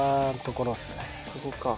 ここか。